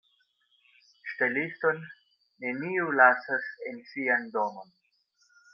Ŝteliston neniu lasas en sian domon.